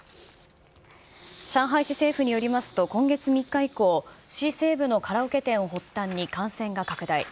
上海市政府によりますと、今月３日以降、市西部のカラオケ店を発端に感染が拡大。